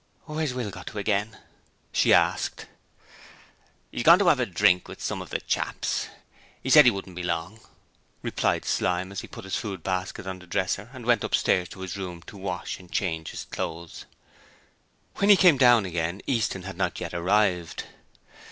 'Where's Will got to again?' she asked. 'He's gone to 'ave a drink with some of the chaps. He said he wouldn't be long,' replied Slyme as he put his food basket on the dresser and went upstairs to his room to wash and to change his clothes. When he came down again, Easton had not yet arrived.